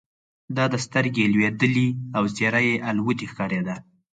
د ده سترګې لوېدلې او څېره یې الوتې ښکارېده.